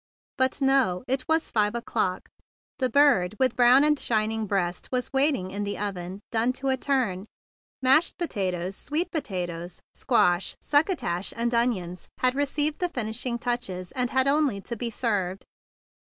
But now it was five o'clock. The bird with brown and shining breast was waiting in the oven, "done to a turn;" mashed potatoes, sweet potatoes, squash, succotash, and onions had received the finishing touches, and had only to be "taken up."